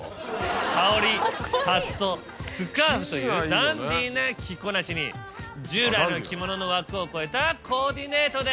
羽織ハットスカーフというダンディーな着こなしに従来の着物の枠を超えたコーディネートです。